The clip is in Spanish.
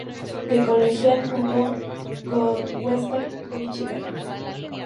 De colegial jugo con Western Michigan.